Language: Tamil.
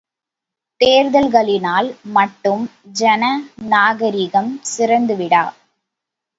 தேர்தல்களினால் மட்டும் ஜன நாகரிகம் சிறந்துவிடா.